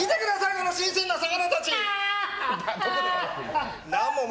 この新鮮な魚たち！